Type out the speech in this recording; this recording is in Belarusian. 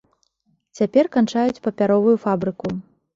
Цяпер канчаюць папяровую фабрыку.